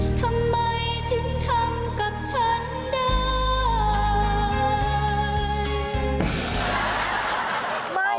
ทำไมถึงทำกับฉันได้